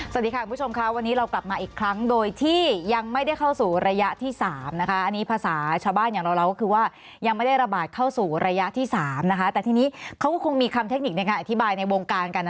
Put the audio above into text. สวัสดีค่ะคุณผู้ชมค่ะวันนี้เรากลับมาอีกครั้งโดยที่ยังไม่ได้เข้าสู่ระยะที่๓นะคะ